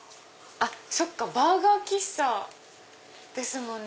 そっかバーガー喫茶ですもんね。